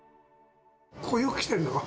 ここよく来てるの。